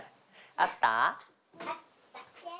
あった。